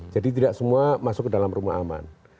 jadi tidak semua masuk ke dalam rumah aman